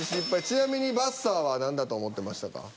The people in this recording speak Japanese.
ちなみにばっさーは何だと思ってましたか。